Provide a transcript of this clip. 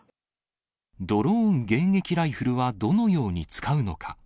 ドローン迎撃ライフルはどのように使うのか。